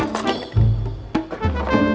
seperti sebuah tempationi